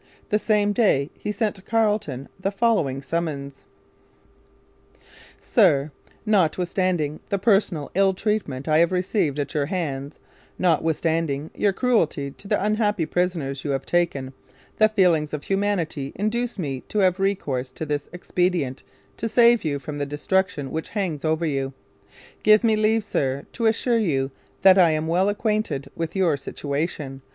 The same day he sent Carleton the following summons: SIR; Notwithstanding the personal ill treatment I have received at your hands notwithstanding your cruelty to the unhappy Prisoners you have taken, the feelings of humanity induce me to have recourse to this expedient to save you from the Destruction which hangs over you. Give me leave, Sir, to assure you that I am well acquainted with your situation.